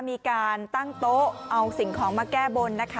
มีการตั้งโต๊ะเอาสิ่งของมาแก้บนนะคะ